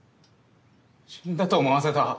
死んだと思わせた。